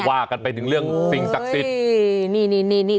ว่ากันไปถึงเรื่องสิ่งศักดิ์สิทธิ์นี่นี่นี่